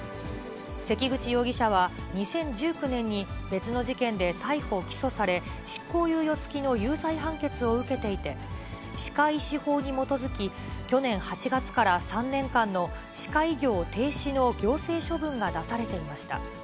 関口容疑者は２０１９年に別の事件で逮捕・起訴され、執行猶予付きの有罪判決を受けていて、歯科医師法に基づき、去年８月から３年間の歯科医業停止の行政処分が出されていました。